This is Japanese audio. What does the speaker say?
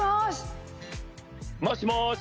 もしもし。